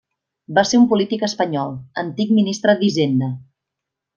Va ser un polític espanyol, antic Ministre d'Hisenda.